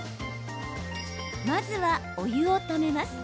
まずは、お湯をためます。